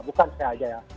bukan saya saja ya